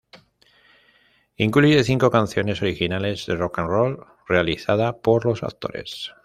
Incluye cinco canciones originales de rock 'n roll realizada por los actores.